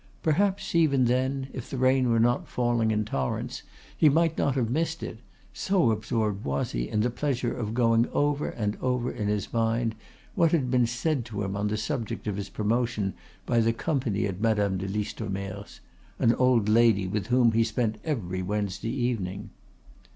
Perhaps, even then, if the rain were not falling in torrents he might not have missed it, so absorbed was he in the pleasure of going over and over in his mind what had been said to him on the subject of his promotion by the company at Madame de Listomere's, an old lady with whom he spent every Wednesday evening.